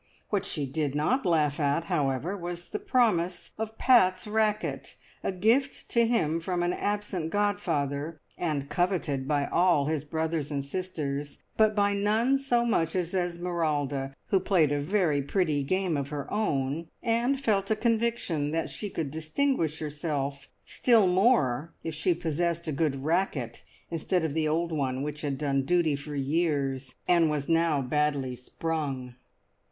What she did not laugh at, however, was the promise of Pat's racket, a gift to him from an absent godfather, and coveted by all his brothers and sisters, but by none so much as Esmeralda, who played a very pretty game of her own, and felt a conviction that she could distinguish herself still more if she possessed a good racket instead of the old one which had done duty for years, and was now badly sprung.